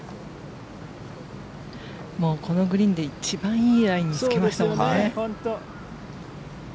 このグリーンで一番いいラインにつけましたもんね。